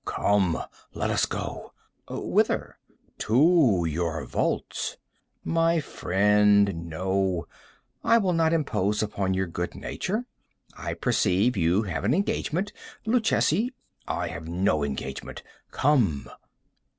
"Come, let us go." "Whither?" "To your vaults." "My friend, no; I will not impose upon your good nature. I perceive you have an engagement. Luchesi—" "I have no engagement;—come."